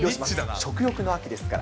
食欲の秋ですから。